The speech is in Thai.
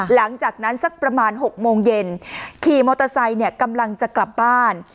หลังจากนั้นสักประมาณ๖โมงเย็นขี่มอเตอร์ไซค์เนี่ยกำลังจะกลับบ้าน